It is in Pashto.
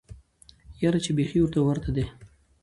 یاره چی بیخی ورته ورته دی